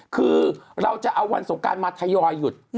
คือเราจะเอาวันสงการมาทยอยหยุด